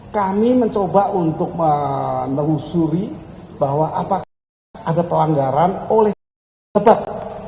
kami mencoba untuk menelusuri bahwa apakah ada pelanggaran oleh debat